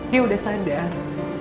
dia udah sadar